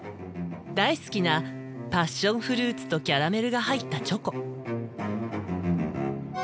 大好きなパッションフルーツとキャラメルが入ったチョコ。